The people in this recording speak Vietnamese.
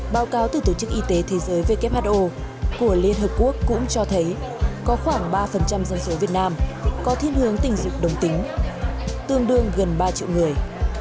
báo cáo từ tổ chức y tế thế giới who của liên hợp quốc cũng cho thấy có khoảng ba dân số việt nam có thiên hướng tình dục đồng tính tương đương gần ba triệu người